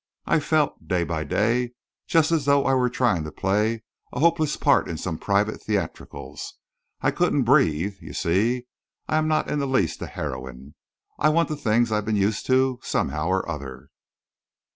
I felt, day by day, just as though I were trying to play a hopeless part in some private theatricals. I couldn't breathe. You see, I am not in the least a heroine. I want the things I've been used to, somehow or other."